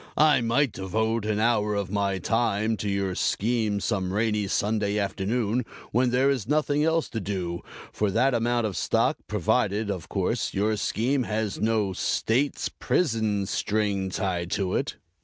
"I might devote an hour of my time to your scheme some rainy Sunday afternoon when there is nothing else to do, for that amount of stock, provided, of course, your scheme has no State's Prison string tied to it."